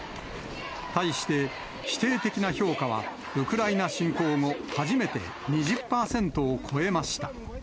対して、否定的な評価はウクライナ侵攻後、初めて２０％を超えました。